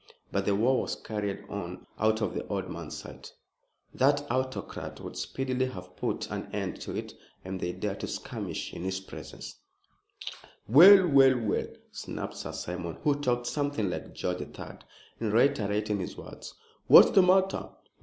But the war was carried on out of the old man's sight. That autocrat would speedily have put an end to it had they dared to skirmish in his presence. "Well! well! well!" snapped Sir Simon, who talked something like George III. in reiterating his words. "What's the matter?